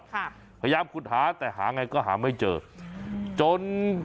ค่ะประยามคุกหาแต่หาไงก็หาไม่เจออืมจน